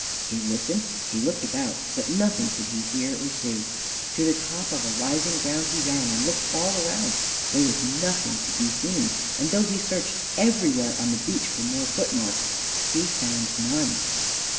He listened, he looked about, but nothing could he hear or see. To the top of a rising ground he ran, and looked all around. There was nothing to be seen. And though he searched everywhere on the beach for more footmarks, he found none.